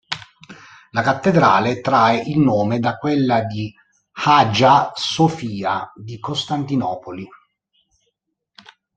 La cattedrale trae il nome da quella di Hagia Sophia di Costantinopoli.